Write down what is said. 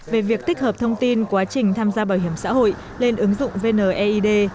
về việc tích hợp thông tin quá trình tham gia bảo hiểm xã hội lên ứng dụng vneid